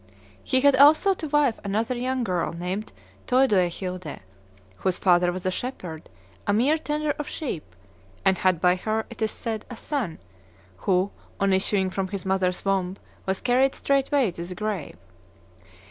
He had also (to wife) another young girl named Theudoehilde, whose father was a shepherd, a mere tender of sheep, and had by her, it is said, a son who, on issuing from his mother's womb, was carried straight way to the grave."